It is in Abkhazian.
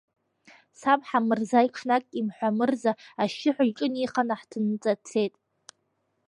Саб Ҳамырза ҽнак имҳәамырза ашьшьыҳәа иҿынеихан, аҳҭнынӡа дцеит.